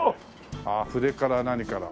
ああ筆から何から。